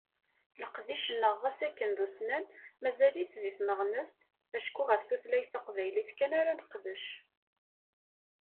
Leqdic-nneɣ ɣas akken d ussnan, mazal-it deg timmeɣnest acku ɣef tutlayt taqbaylit kan ara nqeddec.